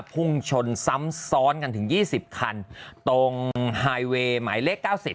พุ่งชนซ้ำซ้อนกันถึง๒๐คันตรงไฮเวย์หมายเลข๙๐